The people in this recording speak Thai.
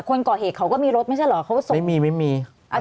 คนน้องมีแต่คนพี่ไม่มี